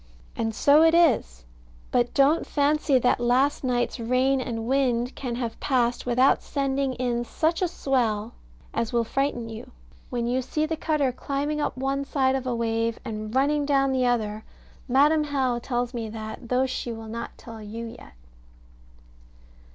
And so it is: but don't fancy that last night's rain and wind can have passed without sending in such a swell as will frighten you, when you see the cutter climbing up one side of a wave, and running down the other; Madam How tells me that, though she will not tell you yet.